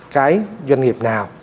cái doanh nghiệp nào